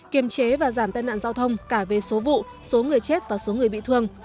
kiềm chế và giảm tai nạn giao thông cả về số vụ số người chết và số người bị thương